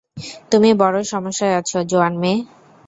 তুমি বড় সমস্যায় আছো, জোয়ান মেয়ে!